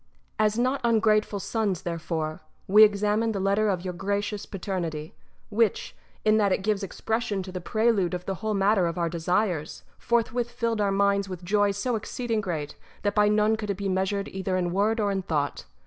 § 2. As not ungrateful sons, therefore, we examined the letter of your gracious Paternity, which, in that it gives expression to the prelude of the whole matter of our desires, forthwith filled our minds with joy so exceeding great that by none could it be measured either in word or in thought.